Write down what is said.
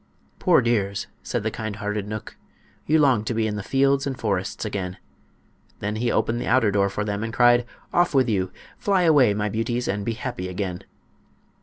"Poor dears!" said the kind hearted knook, "you long to be in the fields and forests again." Then he opened the outer door for them and cried: "Off with you! Fly away, my beauties, and be happy again."